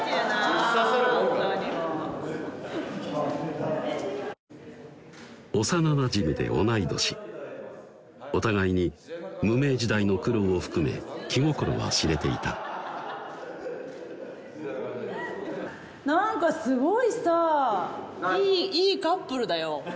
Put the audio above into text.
映させるもんか幼なじみで同い年お互いに無名時代の苦労を含め気心は知れていた何かすごいさぁいいいいカップルだよ